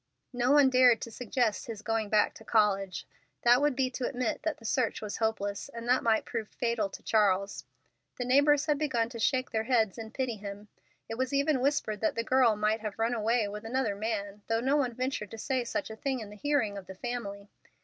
No one dared to suggest his going back to college. That would be to admit that the search was hopeless, and that might prove fatal to Charles. The neighbors had begun to shake their heads and pity him. It was even whispered that the girl might have run away with another man, though no one ventured to say such a thing in the hearing of the family.